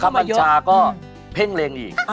ผู้บันคบัญชาก็เพ่งเลงอีก